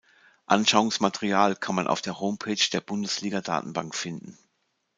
Anschauungsmaterial kann man auf der Homepage der Bundesliga-Datenbank finden.